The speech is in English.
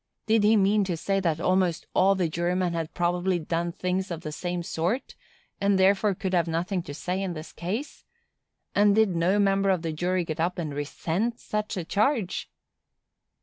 Did he mean to say that almost all the jurymen had probably done things of the same sort, and therefore could have nothing to say in this case? and did no member of the jury get up and resent such a charge?